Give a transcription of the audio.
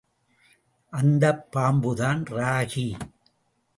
அந்தப் பாம்புதான் ராகி!